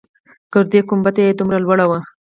ګردۍ گنبده يې دومره لوړه وه.